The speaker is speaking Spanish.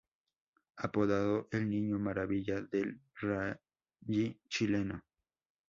Apodado el "Niño Maravilla" del Rally Chileno.